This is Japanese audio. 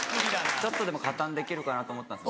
ちょっとでも加担できるかなと思ったんです